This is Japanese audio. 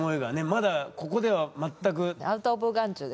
まだここでは全く。